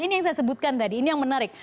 ini yang saya sebutkan tadi ini yang menarik